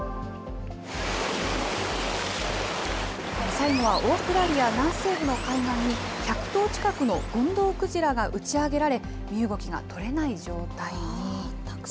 最後はオーストラリア南西部の海岸に１００頭近くのゴンドウクジラが打ち上げられ、身動きが取れない状態に。